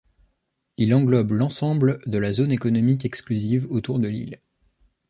Il englobe l'ensemble de la zone économique exclusive autour de l'île.